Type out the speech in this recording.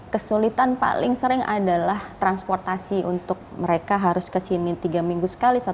kesulitan paling sering adalah transportasi untuk mereka harus kesini tiga minggu sekali